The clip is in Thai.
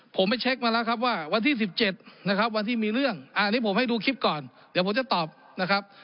ผมไปเช็คมาแล้วครับว่าวันที่๑๗นะครับวันที่มีเรื่องอันนี้ผมให้ดูคลิปก่อนเดี๋ยวผมจะตอบนะครับ